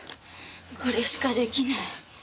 これしかできない。